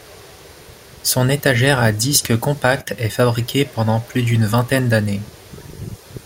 Son étagère à disque compact est fabriquée pendant plus d'une vingtaine d'années.